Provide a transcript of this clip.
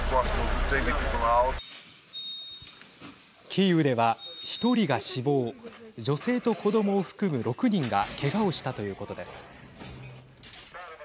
キーウでは、１人が死亡女性と子どもを含む６人がけがをしたということです。